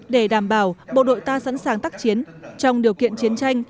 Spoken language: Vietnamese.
để đảm bảo bộ đội ta sẵn sàng tác chiến trong điều kiện chiến tranh